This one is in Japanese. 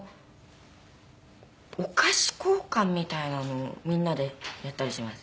お菓子交換みたいなのをみんなでやったりします。